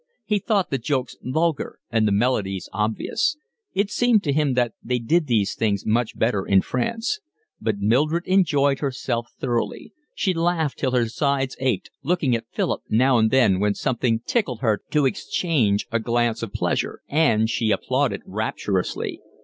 He thought the jokes vulgar and the melodies obvious; it seemed to him that they did these things much better in France; but Mildred enjoyed herself thoroughly; she laughed till her sides ached, looking at Philip now and then when something tickled her to exchange a glance of pleasure; and she applauded rapturously.